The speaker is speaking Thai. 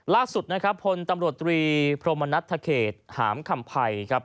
ล่าสุดพลตำรวจตรีพรมณัฐเขตหามคำภัย